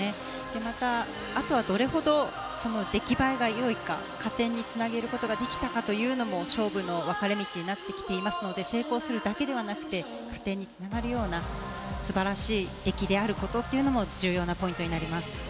また、あとはどれほど出来栄えが良いか加点につなげることができたかというのも勝負の分かれ道になってきていますので成功するだけではなくて加点につながるような素晴らしい出来であることも重要なポイントになります。